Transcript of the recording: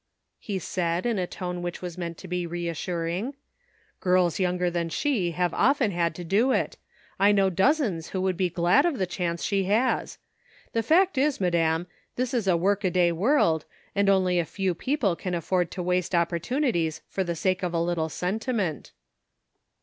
he said, in a tone which was meant to be reassuring, " girls younger than she have often had to do it ; I know dozens who would be glad of the chance she has. The fact is, madam, this is a workaday world, and only a few people can afford to waste opportunities for the sake of a little sentiment."